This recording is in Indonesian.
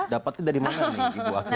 dapatnya dari mana nih ibu akhirnya